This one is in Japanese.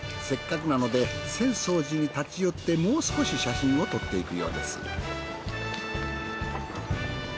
せっかくなので浅草寺に立ち寄ってもう少し写真を撮っていくようです。